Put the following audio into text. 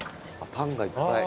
パンがいっぱい。